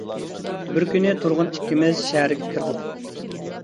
بىر كۈنى تۇرغۇن ئىككىمىز شەھەرگە كىردۇق.